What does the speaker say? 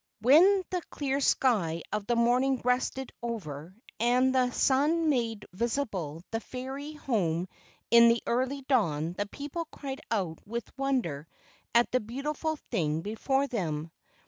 When the clear sky of the morning rested over, and the sun made visible the fairy home in the early dawn, the people cried out with wonder at the beautiful thing before them.